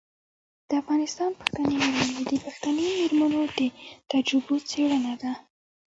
د افغانستان پښتنې میرمنې د پښتنې میرمنو د تجربو څیړنه ده.